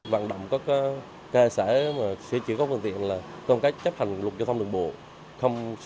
vạn động các cơ sở sửa chữa các phương tiện là công tác chấp hành luật cho phong lượng bộ